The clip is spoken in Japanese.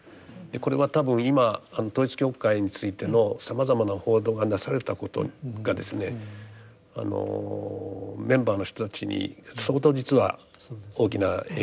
これは多分今統一教会についてのさまざまな報道がなされたことがですねメンバーの人たちに相当実は大きな影響を与えている。